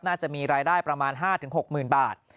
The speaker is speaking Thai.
น่าจะมีรายได้ประมาณ๕๖๐๐๐บาท